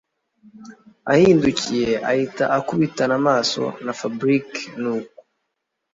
ahindukiye ahita akubitana amaso na Fabric nuko